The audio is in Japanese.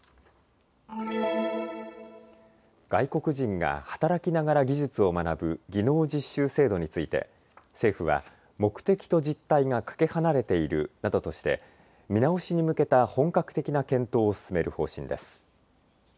外国人が働きながら技術を学ぶ技能実習制度について、政府は目的と実態がかけ離れているなどとして見直しに向けた本格的な検討を進める方針です。